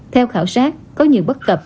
theo khảo sát có nhiều bất cập